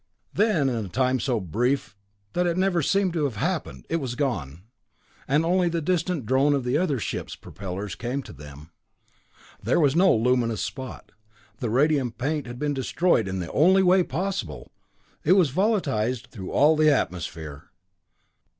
Then in a time so brief that it seemed never to have happened, it was gone, and only the distant drone of the other ships' propellers came to them. There was no luminous spot. The radium paint had been destroyed in the only possible way it was volatilized through all the atmosphere!